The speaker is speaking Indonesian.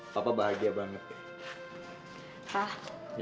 papa bahagia banget ya